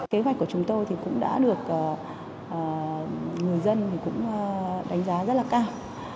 kế hoạch của chúng tôi cũng đã được người dân đánh giá rất cao